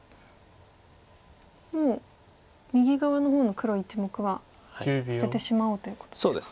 もう右側の方の黒１目は捨ててしまおうということですか。